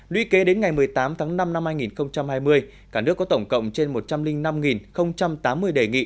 luy kế đến ngày một mươi tám tháng năm năm hai nghìn hai mươi cả nước có tổng cộng trên một trăm linh năm tám mươi đề nghị